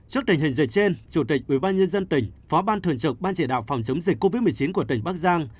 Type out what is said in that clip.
trước tình hình dịch trên chủ tịch ubnd tỉnh phó ban thường trực ban chỉ đạo phòng chống dịch covid một mươi chín của tỉnh bắc giang